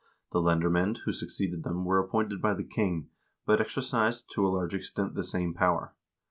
The lendermand, who succeeded them, were appointed by the king, but exercised to a large extent the same power.